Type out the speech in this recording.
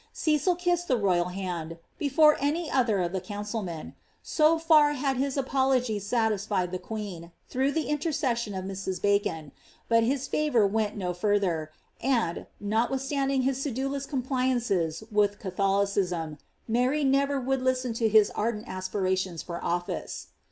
Cecil kisaad the royal hand •* before any other of the council men ;" «o far had hw apology Bati»5ed the queen, through the iniercession of Mrs. Bacon : but bis favour went no further; and, nolwilhstanding hie aedulous compli ances with Catholicism, Mary ne»er would listen to his ardent a«pin tiune for oHice.